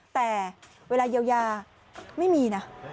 แต่เวลาเยียวยาไม่มีนะ